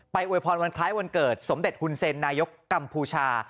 อวยพรวันคล้ายวันเกิดสมเด็จฮุนเซ็นนายกกัมพูชา